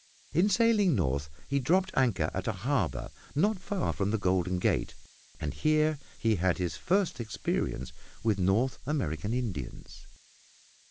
In sailing north he dropped anchor at a harbor not far from the Golden Gate, and here he had his first experience with North American Indians.